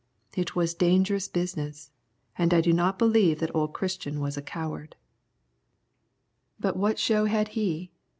It was dangerous business, and I do not believe that old Christian was a coward. But what show had he?